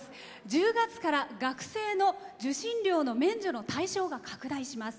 １０月から学生の受信料免除の対象が拡大します。